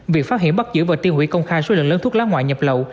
việc phát hiện bắt giữ và tiêu hủy công khai số lượng lớn thuốc lá ngoại nhập lậu